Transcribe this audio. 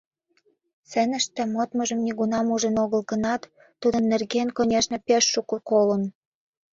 Сценыште модмыжым нигунам ужын огыл гынат, тудын нерген, конешне, пеш шуко колын.